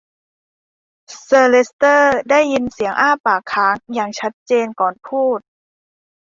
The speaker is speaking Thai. เซอร์เลสเตอร์ได้ยินเสียงอ้าปากค้างอย่างชัดเจนก่อนพูด